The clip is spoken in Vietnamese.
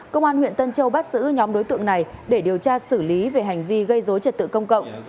công an huyện tân châu bắt giữ nhóm đối tượng này để điều tra xử lý về hành vi gây dối trật tự công cộng